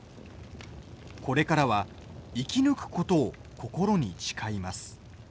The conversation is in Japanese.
これからは生き抜くことを心に誓います。